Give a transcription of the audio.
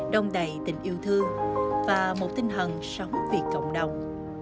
đông đầy tình yêu thương và một tinh thần sống vì cộng đồng